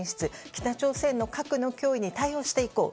北朝鮮の核の脅威に対応していこう。